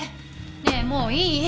ねぇもういい？